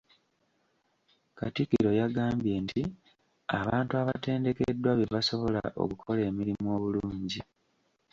Katikkiro yagambye nti abantu abatendekeddwa be basobola okukola emirimu obulungi.